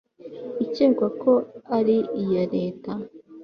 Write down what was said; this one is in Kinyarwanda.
ikekwa ko ari iya leta